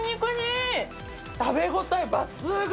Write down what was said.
食べ応え抜群。